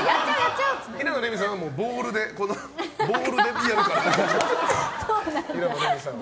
平野レミさんはボウルでやるから。